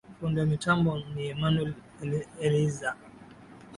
fundi wa mitambo ni enamuel elyzar